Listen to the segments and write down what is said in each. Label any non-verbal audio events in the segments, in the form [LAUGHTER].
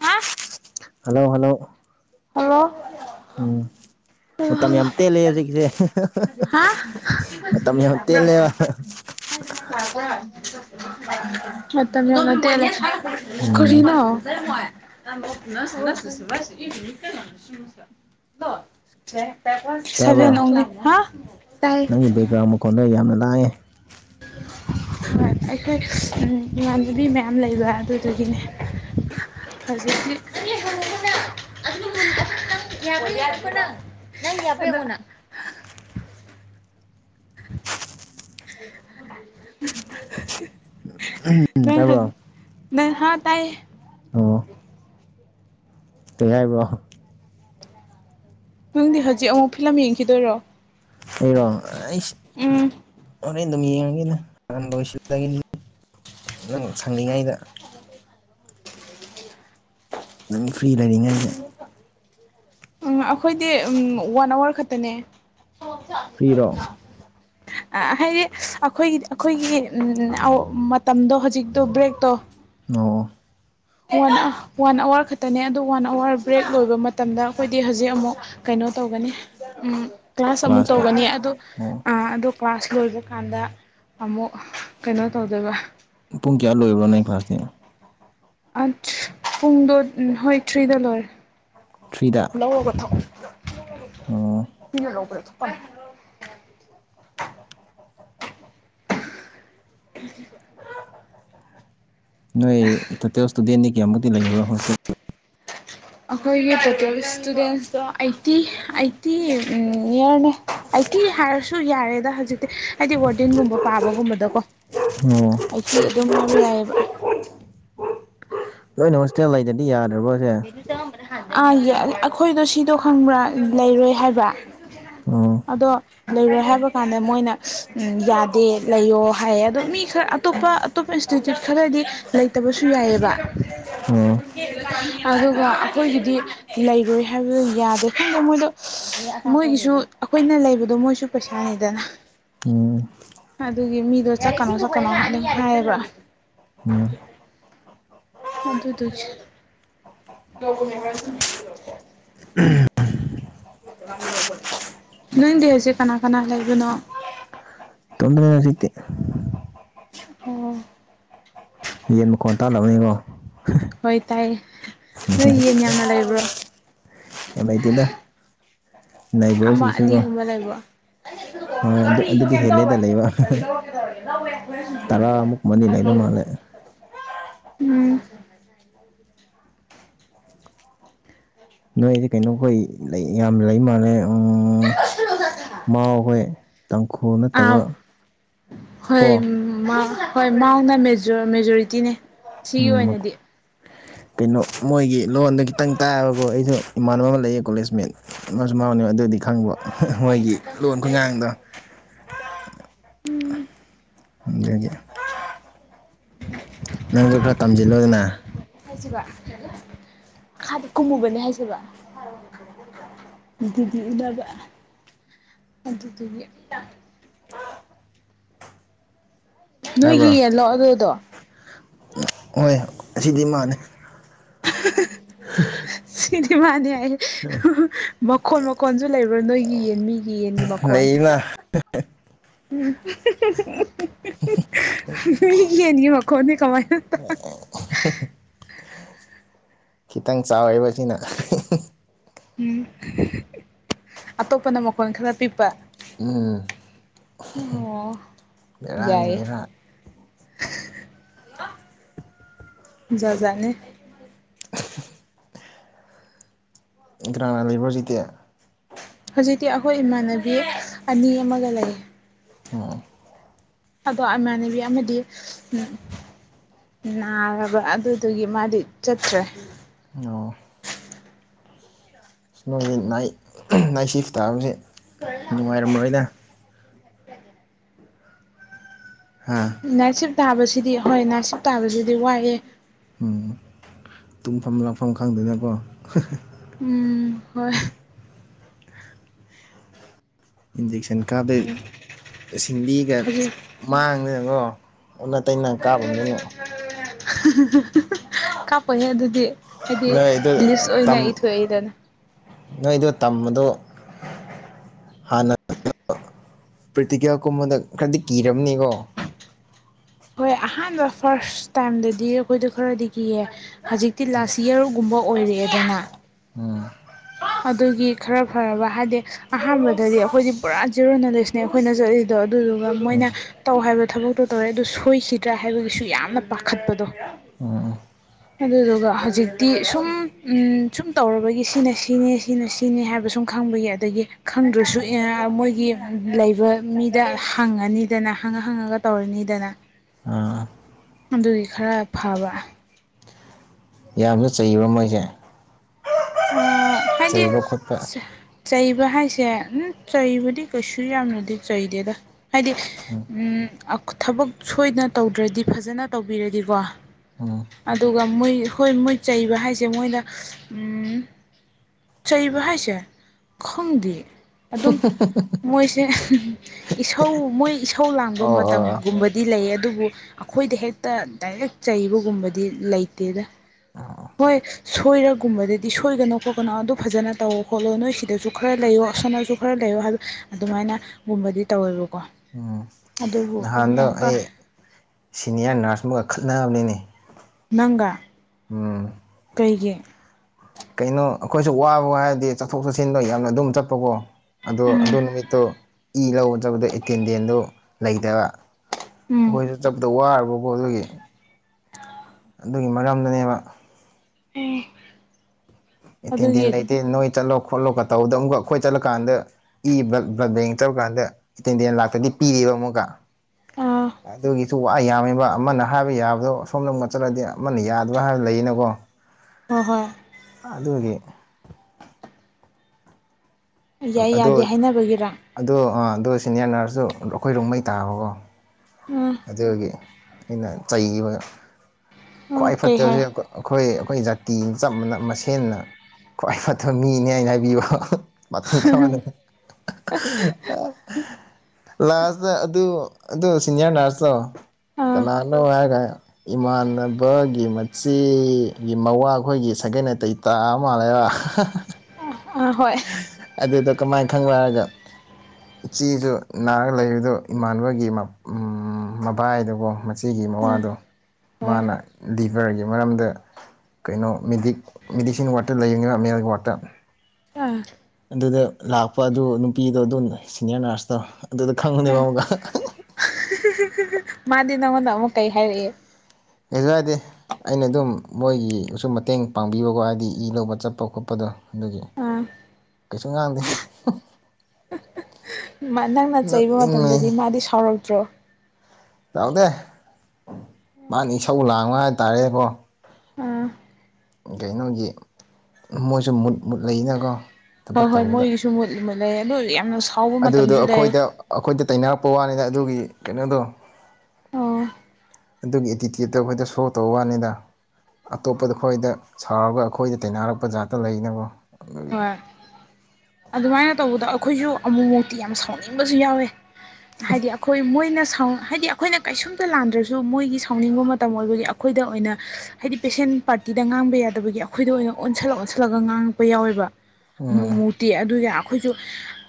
ꯍꯥ hello hello hello um hello ꯃꯇꯝ ꯌꯥꯝ ꯇꯦꯜꯂꯦ ꯍꯧꯖꯤꯛꯁꯦ ꯍꯥ ꯃꯇꯝ ꯌꯥꯝ ꯇꯦꯜꯂꯦꯕ ꯃꯇꯝ ꯌꯝꯅ ꯇꯦꯜꯂꯦ ꯎꯝ ꯀꯔꯤꯅꯣ [UNINTELLIGIBLE] ꯁꯚꯦꯟ ꯇꯥꯕ꯭ꯔꯣ ꯑꯣꯡꯂꯤ ꯍꯥ ꯇꯥꯏ ꯅꯪꯒꯤ ꯕꯦꯛꯒ꯭ꯔꯥꯎꯟ ꯃꯈꯣꯟꯗꯣ ꯌꯥꯝꯅ ꯂꯥꯡꯉꯦ [INAUDIBLE] ꯍꯣꯏ ꯑꯩꯈꯣꯏ ꯏꯃꯥꯟꯅꯕꯤ ꯃꯌꯥꯝ ꯂꯩꯕ ꯑꯗꯨꯗꯨꯒꯤꯅꯦ [UNINTELLIGIBLE] [UNINTELLIGIBLE] ꯎꯝ ꯅꯪ ꯍꯧꯖꯤꯛ ꯇꯥꯕ꯭ꯔꯣ ꯅꯪ ꯍꯥꯠ ꯇꯥꯏꯌꯦ ꯑꯣ ꯀꯩ ꯍꯥꯏꯕ꯭ꯔ ꯅꯪꯗꯤ ꯍꯧꯖꯤꯛ ꯑꯃꯨꯛ ꯐꯤꯂꯝ ꯌꯦꯡꯈꯤꯗꯣꯏꯔꯣ ꯑꯩꯔꯣ ꯑꯩ ꯎꯝ ꯍꯣꯔꯦꯟ ꯑꯗꯨꯝ ꯌꯦꯡꯉꯒꯦꯗ ꯅꯍꯥꯟ ꯂꯣꯏꯁꯤꯜꯗꯒꯤꯅꯤ ꯅꯪ ꯁꯪꯂꯤꯉꯩꯗ ꯅꯪ ꯐ꯭ꯔꯤ ꯂꯩꯔꯤꯉꯩꯗ ꯎꯝ ꯑꯈꯣꯏꯗꯤ ꯑꯝ ꯋꯥꯟ ꯑꯋꯥꯔ ꯈꯛꯇꯅꯦ ꯐ꯭ꯔꯤꯔꯣ ꯍꯥꯏꯗꯤ ꯑꯈꯣꯏꯒꯤ ꯑꯈꯣꯏꯒꯤ ꯑꯧ ꯃꯇꯝꯗꯣ ꯍꯧꯖꯤꯛꯇꯣ ꯕ꯭ꯔꯦꯛꯇꯣ ꯑꯣ ꯋꯥꯟ ꯑꯋꯥꯔ ꯈꯛꯇꯅꯦ ꯑꯗꯨ ꯋꯥꯟ ꯑꯋꯥꯔ ꯕ꯭ꯔꯦꯛ ꯂꯣꯏꯕ ꯃꯇꯝꯗ ꯑꯈꯣꯏꯗꯤ ꯍꯧꯖꯤꯛ ꯑꯃꯨꯛ ꯀꯩꯅꯣ ꯀꯩꯅꯣ ꯇꯧꯒꯅꯤ ꯀ꯭ꯂꯥꯁ ꯑꯃꯨꯛ ꯀ꯭ꯂꯥꯁꯇ ꯇꯧꯒꯅꯤ ꯑꯗꯣ ꯑꯣ ꯑꯥ ꯑꯗꯣ ꯀ꯭ꯂꯥꯁ ꯂꯣꯏꯕ ꯀꯥꯟꯗ ꯑꯃꯨꯛ ꯀꯩꯅꯣ ꯇꯧꯗꯧꯕ ꯄꯨꯡ ꯀꯌꯥ ꯂꯣꯏꯕ꯭ꯔꯣ ꯅꯪ ꯀ꯭ꯂꯥꯁꯇꯤ ꯑꯁ ꯄꯨꯡꯗꯣ ꯍꯣꯏ ꯊ꯭ꯔꯤꯗ ꯂꯣꯏꯔꯦ ꯊ꯭ꯔꯤꯗ ꯂꯧꯔꯒ ꯊꯛꯑꯣ ꯑꯣ ꯃꯤꯅ ꯂꯧꯕ꯭ꯔꯣ [INAUDIBLE] [INAUDIBLE] ꯅꯣꯏ ꯇꯣꯇꯦꯜ ꯁ꯭ꯇꯨꯗꯦꯟꯗꯤ ꯀꯌꯥꯃꯨꯛꯇꯤ ꯂꯩꯕ꯭ꯔꯣ ꯍꯣꯁꯇꯦꯜꯗ ꯑꯩꯈꯣꯏꯒꯤ ꯇꯣꯇꯦꯜ ꯁ꯭ꯇꯨꯗꯦꯟꯁꯂꯣ ꯑꯩꯠꯇꯤ ꯑꯩꯠꯇꯤ ꯅꯤꯌꯔꯅꯦ ꯑꯩꯠꯇꯤ ꯍꯥꯏꯔꯁꯨ ꯌꯥꯔꯦꯗ ꯍꯧꯖꯤꯛꯇꯤ ꯍꯥꯏꯗꯤ ꯋꯥꯔꯗꯦꯟꯒꯨꯝꯕ ꯄꯥꯕꯒꯨꯝꯕꯗꯀꯣ ꯑꯣ ꯑꯩꯠꯇꯤ ꯑꯗꯨꯝ ꯍꯥꯏꯕ ꯌꯥꯔꯦꯕ ꯂꯣꯏꯅ ꯍꯣꯁꯇꯦꯜ ꯂꯩꯥꯗ꯭ꯔꯗꯤ ꯌꯥ ꯑꯥ ꯑꯈꯣꯏꯗꯣ ꯁꯤꯗꯣ ꯈꯪꯕ꯭ꯔꯥ ꯂꯩꯔꯣꯏ ꯍꯥꯏꯕ ꯑꯣ ꯑꯗꯣ ꯂꯩꯔꯣꯏ ꯍꯥꯏꯕ ꯀꯥꯟꯗ ꯃꯣꯏꯅ ꯌꯥꯗꯦ ꯂꯩꯌꯣ ꯍꯥꯏꯌꯦ ꯑꯗꯣ ꯃꯤ ꯈꯔ ꯑꯇꯣꯞꯄ ꯑꯇꯣꯞꯄ ꯏꯟꯁꯇꯤꯇ꯭ꯌꯨꯠ ꯈꯔꯗꯤ ꯂꯩꯇꯕꯁꯨ ꯌꯥꯏꯑꯦꯕ ꯑꯣ ꯑꯗꯨꯒ ꯑꯈꯣꯏꯒꯤꯗꯤ ꯂꯩꯔꯣꯏ ꯍꯥꯏꯕꯗꯣ ꯌꯥꯗꯦ ꯈꯪꯗꯦ ꯃꯣꯏꯗꯣ ꯃꯣꯏꯒꯤꯁꯨ ꯑꯈꯣꯏꯅ ꯂꯩꯕꯗꯣ ꯃꯣꯏꯁꯨ ꯄꯩꯁꯥꯅꯤꯗꯅ ꯑꯣ ꯑꯗꯨꯒꯤ ꯃꯤꯗꯣ ꯆꯠꯀꯅꯣ ꯆꯠꯀꯅꯣ ꯑꯗꯨꯝ ꯍꯥꯏꯌꯦꯕ ꯎꯝ ꯑꯗꯨꯗꯨꯒꯤ [UNINTELLIGIBLE] ꯅꯪꯗꯤ ꯍꯧꯖꯤꯛ ꯀꯅꯥ ꯀꯅꯥ ꯂꯩꯕꯅꯣ ꯏꯇꯣꯝꯗꯅꯦ ꯍꯧꯖꯤꯛꯇꯤ ꯑꯣ ꯌꯦꯟ ꯃꯈꯣꯟ ꯇꯥꯅꯕꯅꯤꯀꯣ ꯍꯣꯏ ꯇꯥꯏꯌꯦ ꯅꯣꯏ ꯌꯦꯟ ꯌꯥꯝꯅ ꯂꯩꯕ꯭ꯔꯣ ꯌꯥꯝ ꯂꯩꯇꯦꯗ ꯑꯃ ꯂꯩꯕꯁꯤꯡꯁꯨꯀꯣ ꯑꯅꯤꯒꯨꯝꯕ ꯂꯩꯕ꯭ꯔꯣ ꯍꯣꯏ ꯑꯗꯨ ꯑꯗꯨꯗꯤ ꯍꯦꯜꯂꯦꯗ ꯂꯩꯕ ꯇꯔꯥꯃꯨꯛ ꯃꯅꯤ ꯂꯩꯔꯝ ꯗꯧ ꯃꯥꯜꯂꯦ ꯎꯝ ꯅꯣꯏꯗꯤ ꯀꯩꯅꯣꯈꯣꯏ ꯂꯩ ꯌꯥꯝ ꯂꯩ ꯃꯥꯥꯟꯂꯦ ꯎꯝ ꯃꯥꯎ ꯍꯣꯏ ꯑꯥ ꯍꯣꯏ ꯀꯣ ꯃꯥꯎ ꯍꯣꯏ ꯃꯥꯎꯅ ꯃꯦꯖꯣꯔꯤꯇꯤꯅꯦ ꯁꯤꯒꯤ ꯎꯝ ꯑꯣꯏꯅꯗꯤ ꯀꯩꯅꯣ ꯃꯣꯏꯒꯤ ꯂꯣꯟꯗ ꯈꯤꯇꯪ ꯇꯥꯕꯕꯨ ꯑꯩꯁꯨ ꯏꯃꯥꯟꯅꯕ ꯑꯃ ꯂꯩꯌꯦ ꯀꯣꯂꯦꯖꯃꯦꯠ ꯑꯃꯁꯨ ꯃꯥꯅꯦ ꯑꯗꯨꯗꯤ ꯈꯪꯕ ꯃꯣꯏꯒꯤ ꯂꯣꯟ ꯈꯨꯨꯉꯥꯡꯗꯣ ꯑꯗꯨꯒꯤ ꯅꯪꯁꯨ ꯈꯔ ꯇꯝꯁꯤꯜꯂꯣꯗꯅ ꯍꯥꯏꯁꯤꯕ ꯃꯈꯥꯗ ꯀꯨꯝꯃꯨꯕꯅꯦ ꯍꯥꯏꯁꯦꯕ ꯅꯨꯡꯇꯤꯒꯤ ꯎꯅꯕ ꯑꯗꯨꯗꯨꯒꯤ ꯅꯣꯏꯒꯤ ꯇꯥꯕ꯭ꯔꯣ ꯌꯦꯜꯂꯣ ꯑꯗꯨꯗꯣ ꯍꯣꯏ ꯑꯁꯤꯗꯤ ꯃꯥꯅꯤ ꯁꯤꯗꯤ ꯃꯥꯅꯦ ꯃꯈꯣꯟ ꯃꯈꯣꯟꯁꯨ ꯂꯩꯕ꯭ꯔꯣ ꯅꯣꯏꯒꯤ ꯌꯦꯟꯕꯤꯒꯤ ꯌꯦꯟꯒꯤ ꯃꯈꯣꯟ ꯑꯦ ꯎꯝ [UNINTELLIGIBLE] [UNINTELLIGIBLE] ꯅꯣꯏꯒꯤ ꯌꯦꯟꯒꯤ ꯃꯈꯣꯟꯗꯤ ꯀꯃꯥꯢꯅ ꯇꯥꯢ ꯈꯤꯇꯪ ꯆꯥꯎꯋꯦꯕ ꯁꯤꯅ ꯎꯝ ꯑꯇꯣꯞꯄꯅ ꯃꯈꯣꯟ ꯈꯔ ꯄꯤꯛꯄ ꯎꯝ ꯑꯣ ꯕꯦꯔꯥꯅꯤ ꯌꯥꯏꯌꯦ ꯕꯦꯔꯥ ꯖꯥꯠ ꯖꯥꯠꯅꯤ ꯀꯅꯥ ꯀꯅꯥ ꯂꯩꯕ꯭ꯔꯣ ꯍꯧꯖꯤꯛꯇꯤ ꯍꯧꯖꯤꯛꯇꯤ ꯑꯩꯈꯣꯏ ꯏꯃꯥꯟꯅꯕꯤ ꯑꯅꯤ ꯑꯃꯒ ꯂꯩꯌꯦ ꯑꯣ ꯑꯗꯣ ꯏꯃꯥꯟꯅꯕꯤ ꯑꯃꯗꯤ ꯎꯝ ꯅꯥꯔꯕ ꯑꯗꯨꯗꯨꯒꯤ ꯃꯥꯗꯤ ꯆꯠꯇ꯭ꯔꯦ ꯅꯣꯏꯁꯦ ꯅꯥꯏ ꯅꯥꯏꯠ ꯁꯤꯐ ꯇꯥꯕꯁꯦ ꯅꯨꯡꯉꯥꯏꯔꯝꯔꯣꯏꯗ ꯍꯥ ꯅꯥꯏꯠ ꯁꯤꯞ ꯇꯥꯕꯁꯤꯗꯤ ꯍꯣꯏ ꯅꯥꯏꯠ ꯁꯤꯞ ꯇꯥꯕꯁꯤꯗꯤ ꯋꯥꯏꯌꯦ ꯎꯝ ꯇꯨꯝꯐꯝ ꯂꯥꯛꯐꯝ ꯈꯪꯗꯦꯅꯀꯣ ꯎꯝ ꯍꯣꯏ ꯏꯟꯖꯦꯛꯁꯟ ꯀꯥꯞꯗꯤ ꯁꯤꯡꯂꯤꯒ ꯍꯧꯖꯤꯛ ꯃꯥꯡꯗꯅꯀꯣ ꯑꯣꯟꯅ ꯇꯩꯅ ꯀꯥꯞꯂꯝꯗꯅ ꯍꯥ ꯍꯥꯍꯥ ꯍꯥ [UNINTELLIGIBLE] ꯀꯥꯞꯄꯣꯢꯍꯦ ꯑꯗꯨꯗꯤ ꯍꯥꯏꯗꯤ ꯅꯣꯏꯗꯨ ꯍꯥꯏꯗꯤ ꯂꯤꯁ ꯑꯣꯏꯅ ꯇꯝ ꯏꯊꯣꯛꯏꯗꯅ ꯅꯣꯏꯗꯣ ꯇꯝꯕꯗꯣ ꯍꯥꯟꯅ [UNINTELLIGIBLE] ꯄ꯭꯭ꯔꯦꯇꯤꯀꯦꯜ ꯀꯨꯝꯕꯗ ꯈꯔꯗꯤ ꯀꯤꯔꯝꯅꯤꯀꯣ ꯍꯣꯏ ꯑꯍꯥꯟꯕ ꯐꯥꯔꯁ ꯇꯥꯏꯝꯗꯗꯤ ꯑꯩꯈꯣꯏꯗꯣ ꯈꯔꯗꯤ ꯀꯤꯌꯦ ꯍꯧꯖꯤꯛꯇꯤ ꯂꯥꯁ ꯌꯥꯔꯒꯨꯝꯕ ꯑꯣꯏꯔꯛꯑꯦꯗꯅ ꯎꯝ [UNINTELLIGIBLE] ꯑꯗꯨꯒꯤ ꯈꯔ ꯐꯔꯕ ꯍꯥꯏꯗꯤ ꯑꯍꯥꯟꯕꯗꯗꯤ ꯑꯩꯈꯣꯏꯗꯤ ꯄꯨꯔꯥ ꯖꯦꯔꯣ ꯅꯣꯂꯦꯖꯅꯦ ꯑꯩꯈꯣꯏꯅ ꯆꯠꯂꯤꯗꯣ ꯑꯗꯨꯗꯨꯒ ꯃꯣꯏꯅ ꯎꯝ ꯇꯧ ꯍꯥꯏꯕ ꯊꯕꯛꯇꯣ ꯇꯧꯔꯦ ꯑꯗꯨ ꯁꯣꯏꯈꯤꯗ꯭ꯔꯥ ꯍꯥꯏꯕꯒꯤꯁꯨ ꯌꯥꯝꯅ ꯄꯥꯈꯠꯄꯗꯣ ꯑꯣ ꯑꯗꯨꯗꯨꯒ ꯍꯧꯖꯤꯛꯇꯤ ꯁꯨꯝ ꯎꯝ ꯁꯨꯝ ꯇꯧꯔꯕꯒꯤ ꯁꯤꯅ ꯁꯤꯅꯦ ꯁꯤꯅ ꯁꯤꯅꯦ ꯍꯥꯏꯕ ꯁꯨꯝ ꯈꯪ ꯈꯪꯕꯒꯤ ꯑꯗꯒꯤ ꯈꯪꯗ꯭ꯔꯁꯨ ꯑꯦ ꯃꯣꯏꯒꯤ ꯂꯩꯕ ꯃꯤꯗ ꯍꯪꯉꯅꯤꯗꯅ ꯍꯪꯉ ꯍꯪꯉꯒ ꯇꯧꯔꯅꯤꯗꯅ ꯑꯥ ꯑꯗꯨꯒꯤ ꯈꯔ ꯐꯕ ꯌꯥꯝꯅ ꯆꯩꯕ ꯃꯣꯏꯖꯦ ꯑꯥ ꯍꯥꯏꯗꯤ ꯁꯥ ꯆꯩꯕ ꯍꯥꯏꯁꯦ ꯎꯝ ꯆꯩꯕꯗꯤ ꯀꯩꯁꯨ ꯌꯥꯝꯅꯗꯤ ꯆꯩꯗꯦꯗ ꯍꯥꯏꯗꯤ ꯊꯕꯛ ꯁꯣꯏꯗꯅ ꯇꯧꯗ꯭ꯔꯗꯤ ꯐꯖꯅ ꯇꯧꯕꯤꯔꯗꯤꯀꯣ ꯎꯝ ꯑꯗꯨꯒ ꯃꯣꯏ ꯍꯣꯏ ꯃꯣꯏ ꯆꯩꯕ ꯍꯥꯏꯁꯦ ꯃꯣꯏꯅ ꯎꯝ ꯆꯩꯕ ꯍꯥꯏꯁꯦ ꯈꯪꯗꯦ ꯍꯥ ꯑꯗꯨꯝ ꯍꯥ ꯍꯥ [UNINTELLIGIBLE] ꯃꯣꯏꯁꯦ ꯏꯁꯧ ꯃꯣꯏ ꯏꯁꯧ ꯂꯥꯡꯕ ꯑꯣ ꯑꯣ ꯑꯣ ꯃꯇꯝꯒꯨꯝꯕꯗꯤ ꯂꯩꯌꯦ ꯑꯗꯨꯕꯨ ꯑꯩꯈꯣꯏꯗ ꯍꯦꯛꯇ ꯗꯥꯏꯔꯦꯛ ꯆꯩꯕꯒꯨꯝꯕꯗꯤ ꯂꯩꯇꯦꯗ ꯍꯣꯏ ꯁꯣꯏꯔꯛ ꯨꯀꯨꯝꯕꯗꯗꯤ ꯁꯣꯏꯒꯅꯨ ꯈꯣꯠꯀꯅꯣ ꯑꯗꯨ ꯐꯖꯅ ꯇꯧ ꯈꯣꯠꯂꯣ ꯅꯣꯏ ꯁꯤꯗꯁꯨ ꯈꯔ ꯂꯩꯌꯣ ꯑꯁꯣꯝꯗꯁꯨ ꯈꯔ ꯂꯩꯌꯣ ꯍꯥꯏꯕꯩ ꯑꯗꯨꯃꯥꯏꯅꯒꯨꯝꯕꯗꯤ ꯇꯧꯋꯦꯕ ꯎꯝ ꯅꯍꯥꯟꯗꯣ ꯀꯥ ꯑꯩ ꯁꯤꯅꯤꯌꯥꯔ ꯅꯔꯁ ꯑꯃꯒ ꯈꯠꯅꯕꯅꯦꯃꯤ ꯅꯪꯒ ꯀꯩꯒꯤ ꯀꯩꯅꯣ ꯑꯩꯈꯣꯏꯁꯨ ꯋꯥꯕ ꯍꯥꯏꯔꯗꯤ ꯆꯠꯊꯣꯛ ꯆꯠꯁꯤꯟꯗꯣ ꯌꯥꯝꯅ ꯑꯗꯨꯝ ꯆꯠꯄꯀꯣ ꯑꯗꯣ ꯑꯗꯨ ꯎꯝ ꯅꯨꯃꯤꯠꯇꯣ ꯏ ꯂꯧꯕ ꯆꯠꯄꯗ ꯑꯦꯇꯦꯟꯗꯦꯟꯗꯨ ꯂꯩꯇꯕ ꯎꯝ ꯑꯩꯈꯣꯏꯁꯨ ꯆꯠꯄꯗ ꯋꯥꯔꯕꯀꯣ ꯑꯗꯨꯒꯤ ꯑꯗꯨꯒꯤ ꯃꯔꯝꯗꯅꯦꯕ ꯑꯦ ꯑꯦꯇꯦꯟꯗꯦꯟ ꯂꯩꯇꯦ ꯅꯣꯏ ꯆꯠꯂꯣ ꯈꯣꯠꯂꯣꯒ ꯇꯧꯕꯗ ꯑꯃꯨꯛꯀ ꯑꯩꯈꯣꯏ ꯆꯠꯂꯀꯥꯟꯗ ꯏ ꯕ꯭ꯂꯠ ꯕꯦꯡ ꯆꯠꯔꯀꯥꯟꯗ ꯑꯦꯇꯦꯟꯗꯦꯟ ꯂꯥꯛꯇꯗꯤ ꯄꯤꯗꯦ ꯂꯣ ꯑꯃꯨꯛꯀ ꯑꯥ ꯑꯗꯨꯒꯤꯁꯨ ꯋꯥ ꯌꯥꯝꯃꯦꯕ ꯑꯃꯅ ꯍꯥꯏꯕ ꯌꯥꯕꯗꯣ ꯁꯣꯝꯗ ꯑꯃꯨꯛ ꯆꯠꯂꯗꯤ ꯑꯃꯅ ꯌꯥꯗꯕꯥ ꯍꯥꯏꯕ ꯂꯩꯅ ꯋꯣ ꯍꯣꯏ ꯍꯣꯏ ꯑꯗꯨꯒꯤ ꯌꯥꯏ ꯌꯥꯗꯦ ꯍꯥꯏꯅꯕꯒꯤꯔ ꯑꯗꯣ ꯑꯗꯣ ꯁꯤꯅꯤꯌꯥꯔ ꯅꯔꯁꯇꯣ ꯑꯩꯈꯣꯏ ꯔꯣꯡꯃꯩ ꯇꯥꯕꯀꯣ ꯎꯝ ꯑꯗꯨꯒꯤ ꯑꯩꯅ ꯆꯩꯕ ꯑꯣ ꯈ꯭ꯋꯥꯏ ꯀꯩ ꯍꯥꯏ ꯐꯠꯇꯕꯁꯦ ꯑꯩꯈꯣꯏ ꯑꯩꯈꯣꯏ ꯖꯥꯇꯤ ꯆꯞ ꯃꯅ ꯃꯁꯦꯟꯅ ꯈ꯭ꯋꯥꯏ ꯐꯇꯕ ꯃꯤꯅꯤ ꯍꯥꯏꯅ ꯍꯥꯏꯕꯤꯕ [UNINTELLIGIBLE] ꯂꯥꯁꯇ ꯑꯗꯨ ꯑꯗꯨ ꯁꯤꯅꯤꯌꯥꯔ ꯅꯔꯁꯇꯣ ꯑꯥ ꯀꯅꯥꯅꯣ ꯍꯥꯏꯔꯒ ꯏꯃꯥꯟꯅ ꯕꯈꯣꯏꯒꯤ ꯃꯆꯦꯒꯤ ꯃꯋꯥ ꯈꯣꯏꯒꯤ ꯁꯥꯒꯩ ꯅꯥꯇꯩ ꯇꯥ ꯃꯥꯜꯂꯦꯕ ꯑꯥ ꯍꯣꯏ ꯀꯃꯥꯏ ꯈꯪꯂꯛꯑꯒ ꯏꯆꯦꯁꯨ ꯅꯥꯔ ꯂꯩꯕꯗꯣ ꯏꯃꯥꯟꯅꯕꯒꯤ ꯃ ꯃꯕꯥꯏꯗꯨꯀꯣ ꯑꯆꯦꯒꯤ ꯑꯥ ꯃꯋꯥꯗꯣ ꯍꯣꯏ ꯃꯥꯅ ꯂꯤꯞ ꯐꯤꯚꯔꯒꯤ ꯃꯔꯝꯗ ꯀꯩꯅꯣ ꯃꯦꯗꯤ ꯃꯦꯗꯤꯁꯤꯟ ꯋꯥꯔꯗꯇ ꯂꯩꯕꯅꯦꯕ ꯃꯦꯜ ꯋꯥꯔꯗꯇ ꯑꯥ ꯑꯗꯨꯗ ꯂꯥꯛꯄ ꯑꯗꯨ ꯅꯨꯄꯤꯗꯣ ꯑꯗꯨ ꯁꯤꯅꯤꯌꯔ ꯅꯔꯁ ꯇꯣ ꯑꯗꯨꯗ ꯈꯪꯕꯅꯦꯕ ꯑꯥ ꯑꯃꯨꯛꯀ ꯃꯥꯗꯤ ꯅꯪꯉꯣꯟꯗ ꯑꯃꯨꯛ ꯀꯩ ꯍꯥꯏꯔꯛꯏ ꯍꯦꯛꯂꯗꯤ ꯑꯩꯅ ꯑꯗꯨꯝ ꯃꯣꯏꯒꯤ ꯁꯨꯨꯝ ꯃꯇꯦꯡ ꯄꯥꯡꯕꯤꯕꯀꯣ ꯍꯥꯏꯗꯤ ꯏ ꯂꯧꯕ ꯆꯠꯄ ꯈꯣꯠꯄꯗꯣ ꯑꯗꯨꯒꯤ ꯑꯥ ꯀꯩꯁꯨ ꯉꯥꯡꯗꯦ ꯅꯪꯅ ꯆꯩꯕ ꯃꯇꯝꯗꯗꯤ ꯅꯣꯛꯅꯤꯡꯉꯦ ꯃꯥꯗꯤ ꯁꯥꯎꯔꯛꯇ꯭ꯔꯣ ꯁꯥꯎꯗꯦ ꯃꯥꯒꯤ ꯏꯁꯧ ꯂꯥꯡꯕ ꯍꯥꯏꯇꯥꯔꯦ ꯀꯣ ꯑꯥ ꯀꯩꯅꯣꯒꯤ ꯃꯣꯏꯁꯨ ꯃꯨꯠ ꯃꯨꯠ ꯂꯩꯅꯀꯣ ꯍꯣꯏ ꯊꯕꯛ ꯍꯣꯏ ꯇꯧꯕꯗ ꯃꯣꯏꯒꯤꯁꯨ ꯃꯨꯠ ꯃꯨꯠ ꯂꯩꯌꯦ ꯑꯗꯨ ꯌꯥꯝꯅ ꯁꯥꯎꯕ ꯑꯗꯨꯗꯣ ꯃꯇꯝꯁꯨ ꯂꯩ ꯑꯩꯈꯣꯏꯗ ꯑꯩꯈꯣꯏꯗ ꯇꯩꯅꯔꯛꯄ ꯋꯥꯅꯤꯗ ꯑꯗꯨꯒꯤ ꯀꯩꯅꯣꯗꯣ ꯑꯣ ꯑꯗꯨꯒꯤ ꯑꯦꯇꯤꯇ꯭ꯌꯨꯠꯇꯣ ꯑꯩꯈꯣꯏꯗ ꯁꯣ ꯇꯧꯕ ꯋꯥꯅꯤꯗ ꯑꯇꯣꯞꯄꯗ ꯈꯈꯣꯏꯗ ꯁꯥꯎꯔꯒ ꯑꯩꯈꯣꯏꯗ ꯇꯥꯢꯅꯔꯛꯄ ꯖꯥꯠꯇꯣ ꯂꯩꯗꯅ ꯀꯣ ꯍꯣꯏ ꯑꯗꯨꯃꯥꯏꯅ ꯇꯧꯕꯗ ꯑꯩꯈꯣꯏꯁꯨ ꯑꯃꯨꯛ ꯃꯨꯛꯇꯤ ꯌꯥꯝ ꯁꯥꯎꯅꯤꯡꯕꯁꯨ ꯌꯥꯎꯋꯦ ꯍꯥꯏꯗꯤ ꯑꯩꯈꯣꯏ ꯃꯣꯏꯅ ꯍꯥꯏꯗꯤ ꯑꯩꯈꯣꯏꯅ ꯀꯩꯁꯨꯝꯇ ꯂꯥꯟꯗ꯭ꯔꯁꯨ ꯃꯣꯏꯒꯤ ꯁꯥꯎꯅꯤꯡꯕ ꯃꯇꯝ ꯑꯣꯏꯕꯒꯤ ꯑꯩꯈꯣꯏꯗ ꯑꯣꯏꯅ ꯍꯥꯏꯗꯤ ꯄꯦꯁꯦꯟ ꯄꯥꯔꯇꯤꯗ ꯉꯥꯡꯕ ꯌꯥꯗꯕꯒꯤ ꯑꯩꯈꯣꯏꯗ ꯑꯣꯏꯅ ꯑꯣꯟꯁꯤꯜꯂ ꯑꯣꯟꯁꯤꯜꯂꯒ ꯉꯥꯡꯉꯄ ꯌꯥꯎꯋꯦꯕ ꯑꯃꯨꯛ ꯎꯝ ꯃꯨꯛꯇꯤ ꯑꯗꯨ ꯑꯩꯈꯣꯏꯁꯨ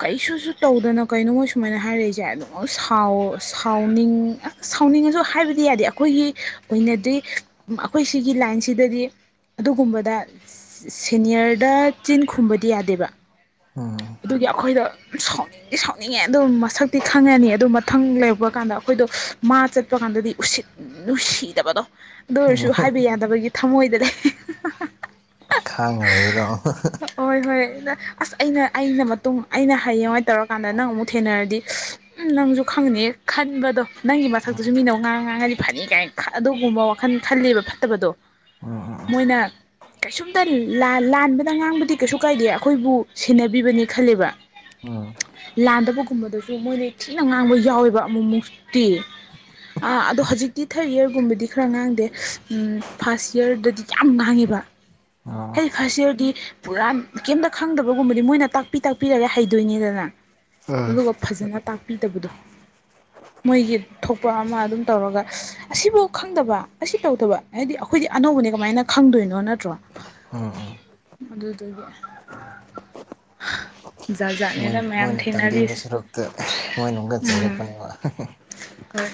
ꯀꯩꯁꯨꯁꯨ ꯇꯧꯗꯅ ꯀꯩꯅꯣ ꯃꯣꯢ ꯁꯨꯃꯥꯏꯅ ꯍꯥꯏꯔꯛꯏꯁꯦ ꯑꯗꯨꯃꯛ ꯁꯥꯎ ꯁꯥꯎꯅꯤꯡ ꯁꯥꯎꯅꯤꯡꯉꯁꯨ ꯍꯥꯏꯕꯗꯤ ꯌꯥꯗꯦ ꯑꯩꯈꯣꯏꯒꯤ ꯑꯣꯏꯅꯗꯤ ꯑꯩꯈꯣꯏ ꯁꯤꯒꯤ ꯂꯥꯏꯟꯁꯤꯗꯗꯤ ꯑꯗꯨꯒꯨꯝꯕꯗ ꯁꯦꯅꯤꯌꯔꯗ ꯆꯤꯟ ꯈꯨꯝꯕꯗꯤ ꯌꯥꯗꯦꯕ ꯑꯗꯨꯒꯤ ꯑꯩꯈꯣꯏꯗ ꯁꯥꯎꯅꯤꯡꯗꯤ ꯁꯥꯎꯅꯤꯡꯉꯦ ꯑꯗꯨ ꯃꯁꯛꯇꯤ ꯈꯪꯉꯅꯤ ꯑꯗꯨ ꯃꯊꯪ ꯂꯩꯔꯛꯄ ꯀꯥꯟꯗ ꯑꯩꯈꯣꯏꯗꯣ ꯃꯥ ꯆꯠꯄ ꯀꯥꯟꯗ ꯑꯗꯗꯤ ꯎꯁꯤꯠ ꯅꯨꯡꯁꯤꯗꯕꯗꯣ ꯑꯗꯨ ꯑꯣꯏꯔꯁꯨ ꯍꯥꯏꯕ ꯌꯥꯗꯕꯒꯤ ꯊꯃꯣꯏꯗꯗꯤ ꯈꯥꯉ ꯂꯩꯕꯗꯣ ꯍꯣꯏ ꯍꯣꯏ ꯑꯁ ꯑꯩꯅ ꯑꯩꯅ ꯃꯇꯨꯡ ꯑꯩꯅ ꯍꯩꯌꯦꯡꯋꯥꯏ ꯇꯧꯔꯀꯥꯟꯗ ꯅꯪ ꯑꯃꯨꯛ ꯊꯦꯡꯅꯔꯗꯤ ꯅꯪꯁꯨ ꯈꯪꯅꯤ ꯈꯟꯕꯗꯣ ꯅꯪꯒꯤ ꯃꯊꯛꯇꯁꯨ ꯃꯤꯅ ꯉꯥꯡꯉ ꯉꯥꯡꯉꯗꯤ ꯐꯅꯤ ꯀꯥꯏꯅ ꯑꯗꯨꯒꯨꯝꯕ ꯋꯥꯈꯜ ꯈꯜꯂꯦꯕ ꯐꯠꯇꯕꯗꯣ ꯑꯥꯑꯥ ꯃꯣꯏꯅ ꯀꯩꯁꯨꯝꯇ ꯂꯥꯟꯕꯗ ꯉꯥꯡꯕꯗꯤ ꯀꯩꯁꯨ ꯀꯥꯏꯗꯦ ꯑꯩꯈꯣꯏꯕꯨ ꯁꯦꯟꯅꯕꯤꯕꯅꯤ ꯈꯜꯂꯦꯕ ꯎꯝ ꯂꯥꯟꯗꯕ ꯀꯨꯝꯕꯗꯁꯨ ꯃꯣꯏꯅ ꯊꯤꯅ ꯉꯥꯡꯕ ꯌꯥꯎꯋꯦꯕ ꯑꯃꯨꯛꯃꯨꯛꯇꯤ ꯑꯗꯣ ꯍꯧꯖꯤꯛꯇꯤ ꯊꯥꯔ ꯌꯔ ꯨꯒꯨꯝꯕꯗꯤ ꯈꯔ ꯉꯥꯡꯗꯦ ꯐꯥꯔꯁ ꯌꯥꯔꯗꯗꯤ ꯌꯥꯝ ꯉꯥꯡꯉꯦꯕ ꯑꯣ ꯑꯩ ꯐꯥꯁ ꯌꯥꯔꯗꯤ ꯄꯨꯔꯥ ꯀꯩꯝꯇ ꯈꯪꯗꯕ ꯑꯗꯨꯒꯨꯝꯕꯗꯤ ꯃꯣꯏꯅ ꯇꯥꯛꯄꯤ ꯇꯥꯛꯄꯤꯔꯒ ꯍꯩꯗꯣꯏꯅꯤꯗꯅ ꯑꯗꯨꯒ ꯐꯖꯅ ꯇꯥꯛꯄꯤ ꯄꯤꯗꯕꯗꯣ ꯃꯣꯏꯒꯤ ꯊꯣꯛꯄ ꯑꯃ ꯑꯗꯨꯝ ꯇꯧꯔꯒ ꯑꯁꯤꯐꯥꯎ ꯈꯪꯗꯕ ꯑꯁꯤ ꯇꯧꯗꯕ ꯍꯥꯏꯗꯤ ꯑꯩꯈꯣꯏ ꯑꯅꯧꯕꯅꯦ ꯀꯃꯥꯏꯅ ꯈꯪꯗꯣꯏꯅꯣ ꯅꯠꯇ꯭ꯔꯣ ꯑꯗꯨꯗꯨꯒꯤ ꯍꯥꯢꯗꯤ ꯍꯥ ꯖꯥꯠ ꯃꯣꯏ ꯖꯥꯠꯅꯤꯗ ꯃꯌꯥꯝ ꯃꯣꯏꯅ ꯇꯝꯕꯤꯕ ꯊꯦꯡꯅꯔꯤꯁꯦ ꯁꯔꯨꯛꯇ ꯃꯣꯏꯅ ꯑꯃꯨꯛꯀ ꯎꯝ ꯆꯩꯔꯛꯄꯅꯦꯕ ꯍꯣꯢ